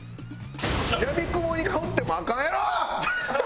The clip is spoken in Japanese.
やみくもに放ってもアカンやろ！